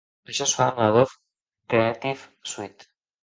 Això es fa amb l'Adobe Creative Suite.